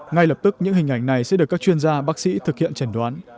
ngay lập tức những hình ảnh này sẽ được các chuyên gia bác sĩ thực hiện trần đoán